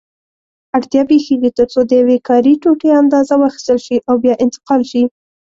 اړتیا پېښېږي ترڅو د یوې کاري ټوټې اندازه واخیستل شي او بیا انتقال شي.